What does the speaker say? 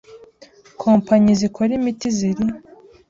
kompanyi zikora imiti ziri